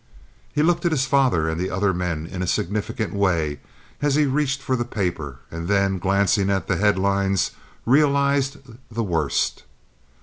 He looked at his father and the other men in a significant way as he reached for the paper, and then, glancing at the headlines, realized the worst.